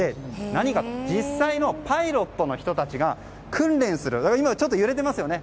何かというと、実際のパイロットの人たちが訓練するちょっと揺れていますよね。